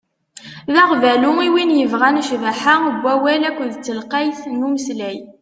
D aɣbalu i win yebɣan ccbaḥa n wawal akked telqayt n umeslay.